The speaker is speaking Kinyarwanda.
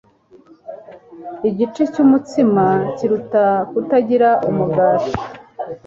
Igice cyumutsima kiruta kutagira umugati.